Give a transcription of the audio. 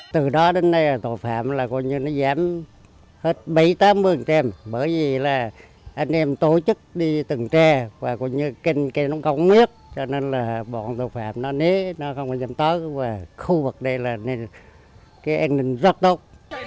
từ đó đến nay tội phạm giảm hết bảy mươi tám mươi bởi vì anh em tổ chức đi từng tre và kênh kênh không biết cho nên bọn tội phạm nó nế nó không có giảm tói khu vực này an ninh rất tốt